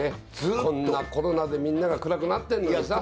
こんなコロナでみんなが暗くなってるのにさ。